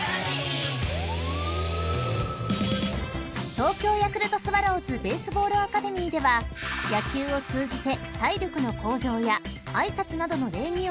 ［東京ヤクルトスワローズベースボールアカデミーでは野球を通じて体力の向上や挨拶などの礼儀を学び